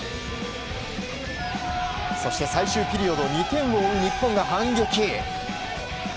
そして、最終ピリオド２点を追う日本が反撃。